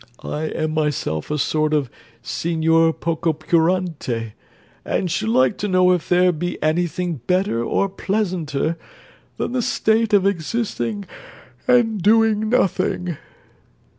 I am myself a sort of Signor Pococurante, and should like to know if there be any thing better or pleasanter, than the state of existing and doing nothing?